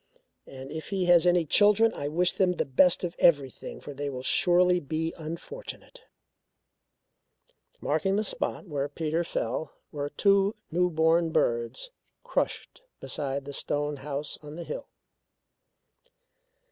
And if he has any children, I wish them the best of everything for they surely will be unfortunate." Marking the spot where Peter fell were two new born birds crushed beside the stone house on the hill.